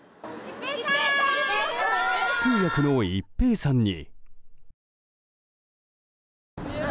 通訳の一平さんに。